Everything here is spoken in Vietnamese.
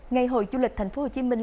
ngày hội du lịch thành phố hồ chí minh